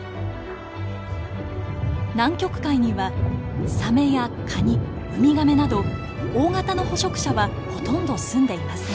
南極海にはサメやカニウミガメなど大型の捕食者はほとんど住んでいません。